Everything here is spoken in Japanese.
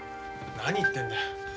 何言ってんだ。